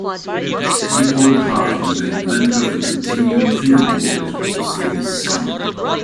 Lippold Haken, the inventor of the Continuum fingerboard, is also his son.